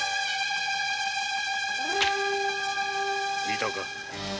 見たか？